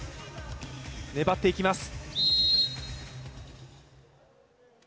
粘っていきます。